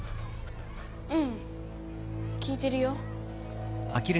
うん聞いてるよ。